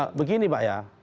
nah begini pak ya